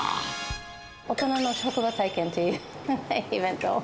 大人の職場体験というイベントを。